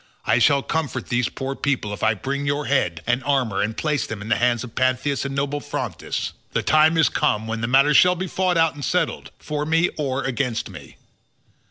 I shall comfort these poor people if I bring your head and armour and place them in the hands of Panthous and noble Phrontis. The time is come when this matter shall be fought out and settled, for me or against me."